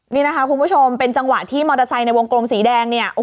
นี่นะคะคุณผู้ชมเป็นจังหวะที่มอเตอร์ไซค์ในวงกลมสีแดงเนี่ย